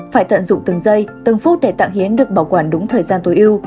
phải tận dụng từng giây từng phút để tạng hiến được bảo quản đúng thời gian tối ưu